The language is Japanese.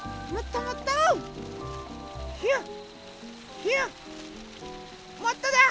もっとだ！